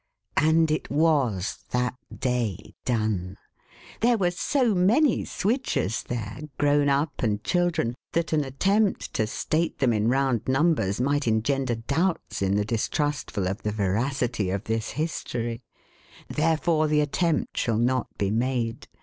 And it was that day done. There were so many Swidgers there, grown up and children, that an attempt to state them in round numbeca might engender doubts, in the distrustful, of the veracity of this History. Therefore the attempt shall not be made.